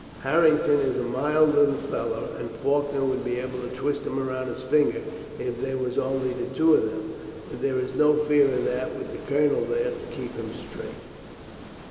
Harrington is a mild little fellow, and Faulkner would be able to twist him round his finger if there were only the two of them, but there is no fear of that with the Colonel there to keep him straight."